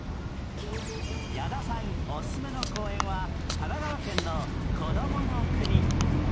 矢田さんオススメの公園は神奈川県のこどもの国。